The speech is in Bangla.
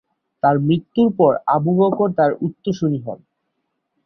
তার মৃত্যুর পর আবু বকর তার উত্তরসুরি হন।